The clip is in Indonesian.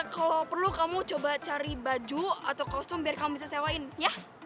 kalau perlu kamu coba cari baju atau kostum biar kamu bisa sewain ya